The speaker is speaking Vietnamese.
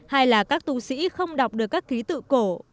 hai là các tù sĩ không đọc được các ký tự cổ